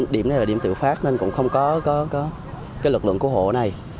điểm này là điểm tự phát nên cũng không có có có cái lực lượng của họ này